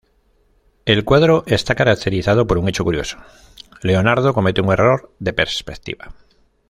El cuadro está caracterizado por un hecho curioso: Leonardo comete un error de perspectiva.